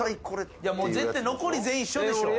絶対残り全員一緒でしょ。